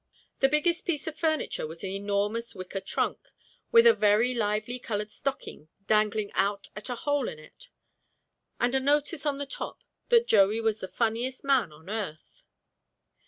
The biggest piece of furniture was an enormous wicker trunk, with a very lively coloured stocking dangling out at a hole in it, and a notice on the top that Joey was the funniest man on earth.